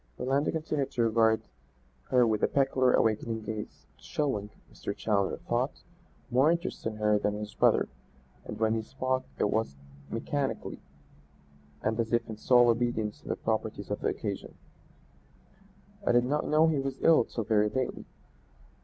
Orlando continued to regard her with a peculiar awakening gaze, showing, Mr. Challoner thought, more interest in her than in his brother, and when he spoke it was mechanically and as if in sole obedience to the proprieties of the occasion. "I did not know he was ill till very lately.